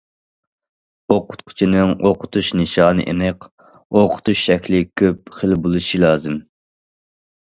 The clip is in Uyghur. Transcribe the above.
ئوقۇتقۇچىنىڭ ئوقۇتۇش نىشانى ئېنىق، ئوقۇتۇش شەكلى كۆپ خىل بولۇشى لازىم.